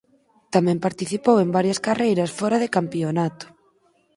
Tamén participou en varias carreiras fora de campionato.